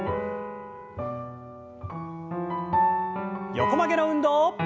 横曲げの運動。